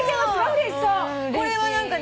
これは何かね